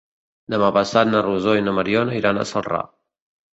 Demà passat na Rosó i na Mariona iran a Celrà.